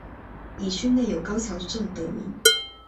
以区内有高桥镇得名。